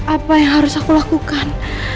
apa yang harus aku lakukan